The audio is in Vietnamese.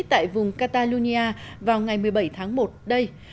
tại vùng catalonia vào ngày một mươi bảy tháng một đây